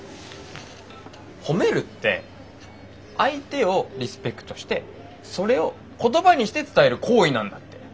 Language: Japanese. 褒めるって相手をリスペクトしてそれを言葉にして伝える行為なんだって。